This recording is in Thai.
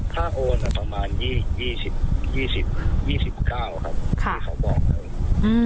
ถ้าโอนประมาณ๒๐๒๐๒๙ครับที่เขาบอกเลย